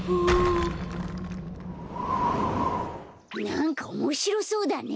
なんかおもしろそうだね。